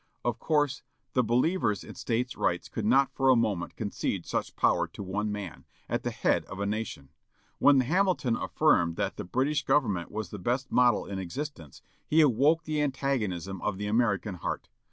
Of course, the believers in "States' Rights" could not for a moment concede such power to one man, at the head of a nation. When Hamilton affirmed that the "British government was the best model in existence," he awoke the antagonism of the American heart.